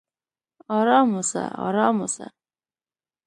"ارام اوسه! ارام اوسه!"